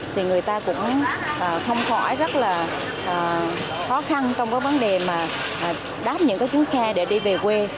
thì người ta cũng không khỏi rất là khó khăn trong cái vấn đề mà đáp những cái chuyến xe để đi về quê